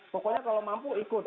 pokoknya kalau mampu ikut